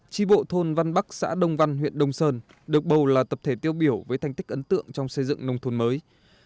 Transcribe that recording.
tri bộ thôn văn bắc xã đông văn huyện đông sơn được bầu là tập thể tiêu biểu với thành tích ấn tượng trong xây dựng nông thôn mới